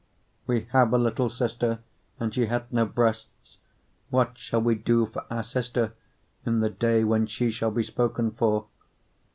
8:8 We have a little sister, and she hath no breasts: what shall we do for our sister in the day when she shall be spoken for?